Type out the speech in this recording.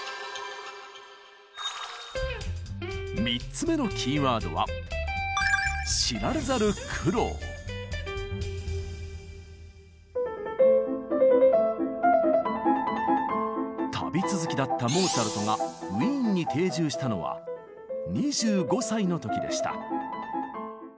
３つ目のキーワードは旅続きだったモーツァルトがウィーンに定住したのは２５歳の時でした。